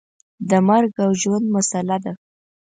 د مرګ او ژوند مسله ده.